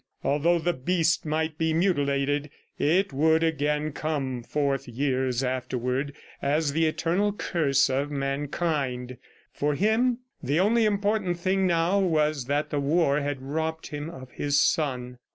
Although the Beast might be mutilated, it would again come forth years afterward, as the eternal curse of mankind. ... For him the only important thing now was that the war had robbed him of his son.